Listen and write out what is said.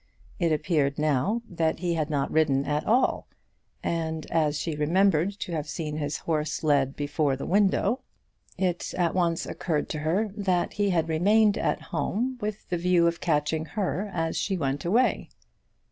It appeared now that he had not ridden at all, and, as she remembered to have seen his horse led before the window, it at once occurred to her that he had remained at home with the view of catching her as she went away.